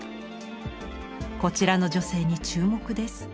こちらの女性に注目です。